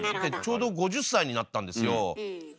ちょうど５０歳になったんですよ。